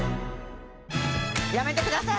やめてください！